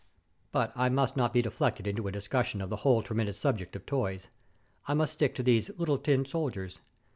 But I must not be deflected into a discussion of the whole tremendous subject of toys. I must stick to these little tin soldiers.